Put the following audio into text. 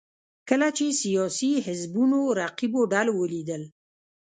کله چې سیاسي حزبونو رقیبو ډلو ولیدل